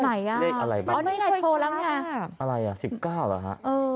ไหนอ่ะเลขอะไรบ้างหนึ่งช่วยคาไรอ่ะ๑๙อ่ะฮะ